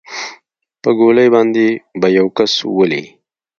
په ګولۍ باندې به يو كس ولې.